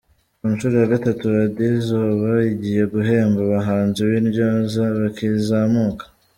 Ku nshuro ya gatatu Radio Izuba igiye guhemba abahanzi b’intyoza bakizamuka